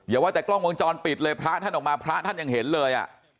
อย่าว่าแต่กล้องวงจรปิดไม่เลยพระอาทันต้องกระพกับพระอาทันต้องเห็นเลย